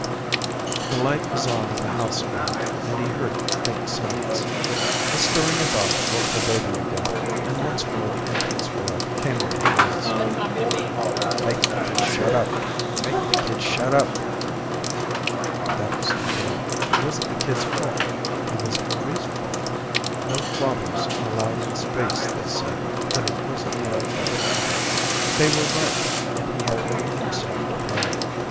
The light was on in the house again, and he heard faint sounds. The stirring about woke the baby again, and once more the infant's wail came on the breeze. Make the kid shut up, make the kid shut up ... But that was no good. It wasn't the kid's fault. It wasn't Marie's fault. No fathers allowed in space, they said, but it wasn't their fault either. They were right, and he had only himself to blame.